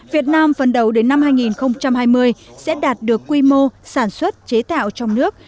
việt nam phần đầu đến năm hai nghìn hai mươi sẽ đạt được quy mô sản xuất chế tạo trong nước